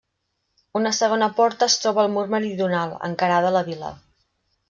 Una segona porta es troba al mur meridional, encarada a la vila.